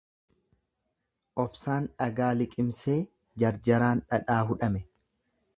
Obsaan dhagaa liqimsee, jarjaraan dhadhaa hudhame.